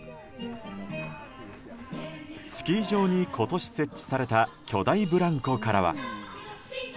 スキー場に今年設置された巨大ブランコからは。